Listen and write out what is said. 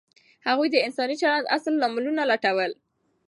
هغوی د انساني چلند اصلي لاملونه لټول.